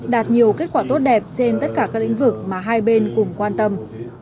đạt nhiều kết quả tốt đẹp trên tất cả các lĩnh vực mà hai bên cùng quan tâm